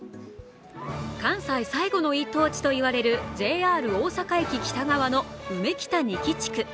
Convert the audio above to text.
関西最後の一等地といわれるＪＲ大阪駅北側のうめきた２期地区。